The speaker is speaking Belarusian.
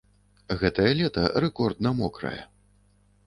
Гэтае лета рэкордна мокрае.